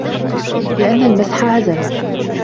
لِأَنَّ الْمَزْحَ هَزْلٌ